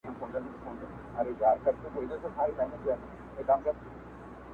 او دلته دفاع ترې وشوه